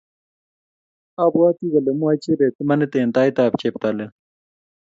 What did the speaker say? abwati kole mwae Chebet imanit eng taitab cheptailel